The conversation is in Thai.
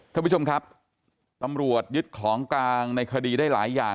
ท่านผู้ชมครับตำรวจยึดของกลางในคดีได้หลายอย่าง